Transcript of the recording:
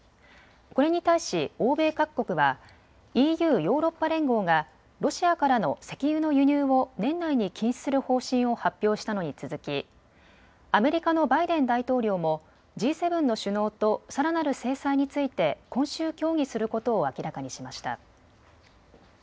これに対し欧米各国はＥＵ・ヨーロッパ連合がロシアからの石油の輸入を年内に禁止する方針を発表したのに続きアメリカのバイデン大統領もＧ７の首脳とさらなる制裁について今週協議することを明らかにしました。